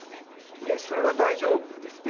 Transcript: いえそれは大丈夫ですね。